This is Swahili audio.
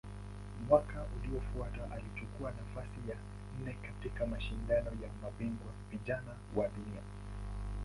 Mwaka uliofuata alichukua nafasi ya nne katika Mashindano ya Mabingwa Vijana wa Dunia.